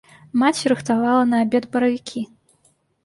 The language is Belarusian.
Маці рыхтавала на абед баравікі.